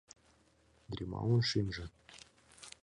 Гримаун шӱмжӧ